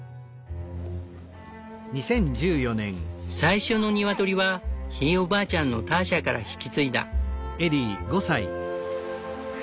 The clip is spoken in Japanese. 最初のニワトリはひいおばあちゃんのターシャから引き継いだ。